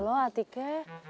ya allah atika